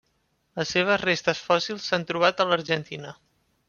Les seves restes fòssils s'han trobat a l'Argentina.